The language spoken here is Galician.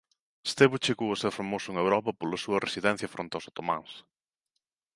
Estevo chegou a ser famoso en Europa pola súa resistencia fronte aos otománs.